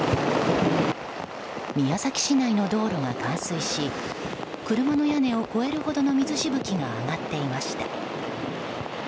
宮崎市内の道路が冠水し車の屋根を超えるほどの水しぶきが上がっていました。